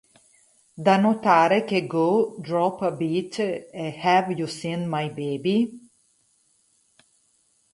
Da notare che "Go", "Drop a Beat" e "Have You Seen My Baby?